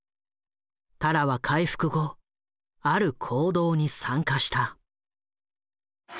タラは回復後ある行動に参加した。